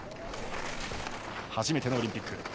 初めてのオリンピック。